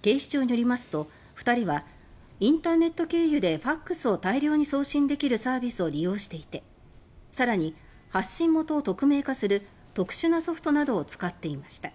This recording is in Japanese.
警視庁によりますと２人はインターネット経由でファックスを大量に送信できるサービスを利用していて更に、発信元を匿名化する特殊なソフトなどを使っていました。